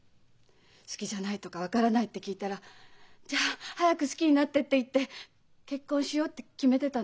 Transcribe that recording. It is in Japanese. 「好きじゃない」とか「分からない」って聞いたら「じゃあ早く好きになって」って言って結婚しようって決めてたの。